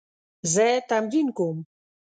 زه تمرین کوم